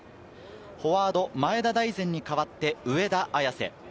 フォワードを前田大然に代わって上田綺世。